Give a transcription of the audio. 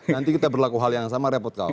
nanti kita berlaku hal yang sama repot kau